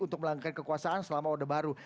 untuk melanggar kekuasaan selama orde baru